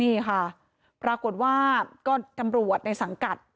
นี่ค่ะปรากฏว่าก็ตำรวจในสังกัด